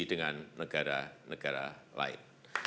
dengan negara negara lain